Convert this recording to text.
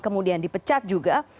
kemudian dipecat juga